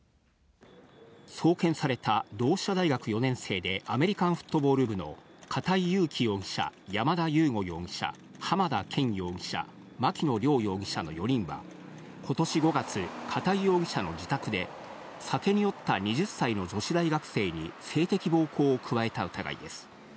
送検された同志社大学４年生で、アメリカンフットボール部の片井裕貴容疑者、山田悠護容疑者、浜田健容疑者、牧野稜容疑者の４人は、ことし５月、片井容疑者の自宅で、酒に酔った２０歳の女子大学生に、性的暴行を加えた疑いです。